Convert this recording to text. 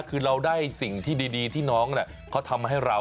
คือเราได้สิ่งที่ดีที่น้องเขาทำให้เรา